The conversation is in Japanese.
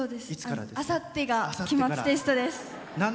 あさってが期末テストです。